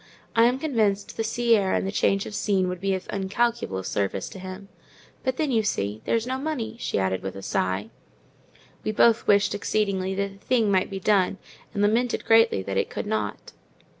I am convinced the sea air and the change of scene would be of incalculable service to him. But then, you see, there's no money," she added, with a sigh. We both wished exceedingly that the thing might be done, and lamented greatly that it could not.